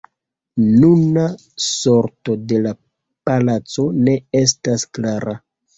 Nuna sorto de la palaco ne estas klara.